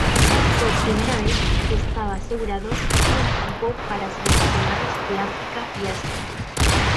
Por primera vez estaba asegurado un cupo para seleccionados de África y Asia.